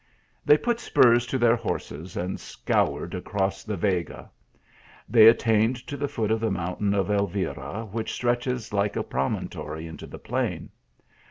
They put spurs to their horses and scoured across the Vega. They attained to the foot of the moun tain of Elvira, which stretches like a promontory into the plain.